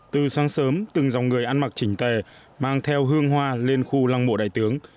từ sáng sớm từng dòng người ăn mặc chỉnh tề mang theo hương hoa lên khu lăng mộ đại tướng